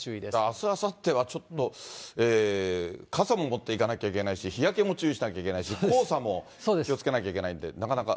あす、あさってはちょっと、傘も持っていかなきゃいけないし、日焼けも注意しなきゃいけないし、黄砂も気をつけなきゃいけないんで、なかなか。